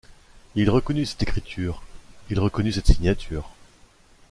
Il reconnut cette écriture, il reconnut cette signature.